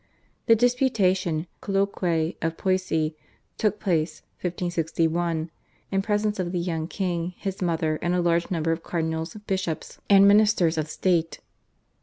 The disputation ("Colloquy" of Poissy) took place (1561) in presence of the young king, his mother, and a large number of cardinals, bishops, and ministers of state.